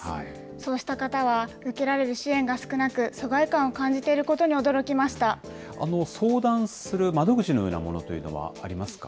そうした方は受けられる支援が少なく、疎外感を感じていることに相談する窓口のようなものというのはありますか？